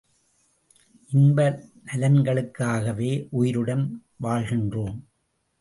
இன்ப நலன்களுக்காகவே உயிருடன் வாழ்கின்றோம்.